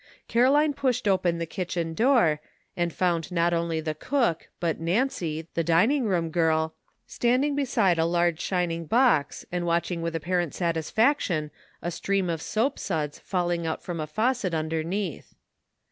Caro line pushed open the kitchen door, and found not only the cook, but Nancy, the dining room girl, standing beside a large shining box and watching with apparent satisfaction a stream of soapsuds falling out from a faucet under neath.